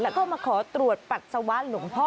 แล้วเข้ามาขอตรวจปรัชวันหลวงพ่อ